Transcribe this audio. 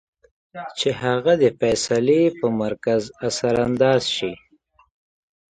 چې هغه د فېصلې پۀ مرکز اثر انداز شي -